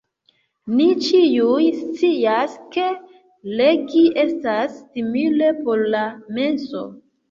Ni ĉiuj scias, ke legi estas stimule por la menso.